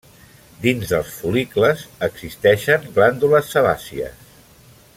Dins dels fol·licles existeixen glàndules sebàcies.